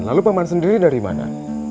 lalu paman sendiri dari mana